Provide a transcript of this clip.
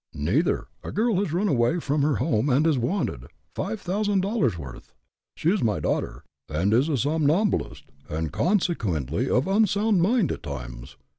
"Neither. A girl has run away from her home, and is wanted five thousand dollars' worth. She is my daughter, and is a somnambulist, and consequently of unsound mind, at times.